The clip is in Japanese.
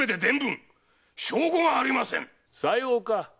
さようか。